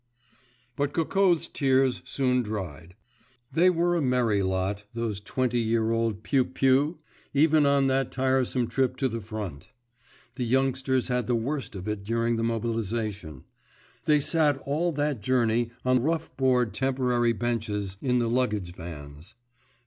_ But Coco's tears soon dried. They were a merry lot, those twenty year old "pioupious," even on that tiresome trip to the front. The youngsters had the worst of it during the mobilization. They sat all that journey on rough board temporary benches in the luggage vans.